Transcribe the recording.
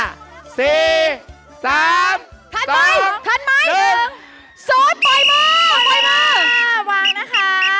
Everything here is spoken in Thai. ๐ปล่อยเมอร์ปล่อยเมอร์วางนะคะปล่อยเมอร์ปล่อยเมอร์วางนะคะ